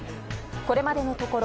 これまでのところ